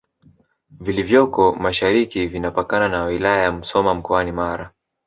vilivyoko mashariki vikipakana na wilaya ya Musoma mkoani Mara